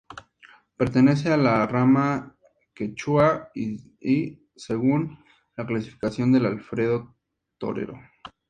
Pertenece a la rama quechua I, según la clasificación de Alfredo Torero.